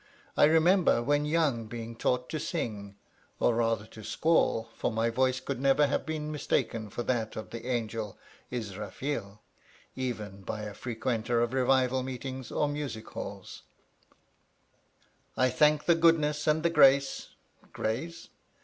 I remember when young being taught to sing (or rather to squall; for my voice could never have been mistaken for that of the angel Isrâfeel, even by a frequenter of revival meetings or music halls): "I thank the goodness and the grace (grays?)